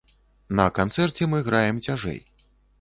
На канцэрце мы граем цяжэй.